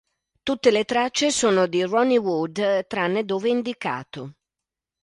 Tutte le tracce sono di Ronnie Wood tranne dove indicato